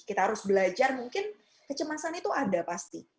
kita harus belajar mungkin kecemasan itu ada pasti